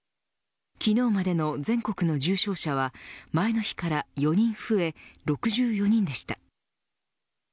昨日までの全国の重症者は前の日から４人増え６４人でした。